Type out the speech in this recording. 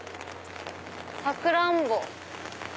サクランボ。